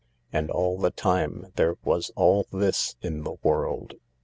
And all the time there was all this in the world.